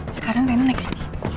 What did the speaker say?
sekarang rena naik sini